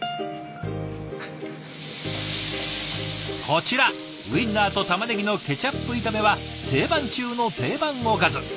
こちらウインナーとたまねぎのケチャップ炒めは定番中の定番おかず。